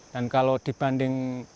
dan kalau dibanding